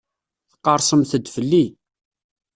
Tqerrsemt-d fell-i.